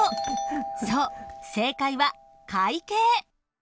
そう正解は会計。